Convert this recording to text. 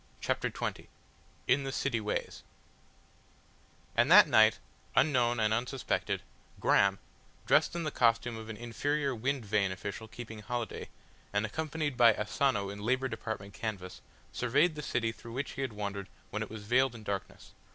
CHAPTER XX IN THE CITY WAYS And that night, unknown and unsuspected, Graham, dressed in the costume of an inferior wind vane official keeping holiday, and accompanied by Asano in Labour Department canvas, surveyed the city through which he had wandered when it was veiled in darkness.